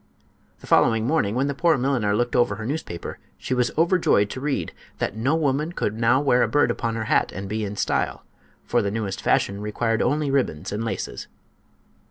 The following morning when the poor milliner looked over her newspaper she was overjoyed to read that "no woman could now wear a bird upon her hat and be in style, for the newest fashion required only ribbons and laces."